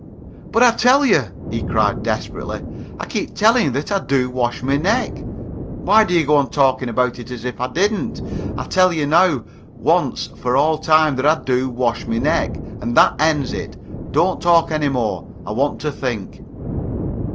"But I tell you," he cried, desperately, "I keep telling you that I do wash my neck. Why do you go on talking about it as if I didn't! I tell you now, once for all time, that I do wash my neck, and that ends it. Don't talk any more. I want to think."